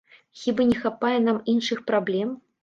Хіба не хапае нам іншых праблем?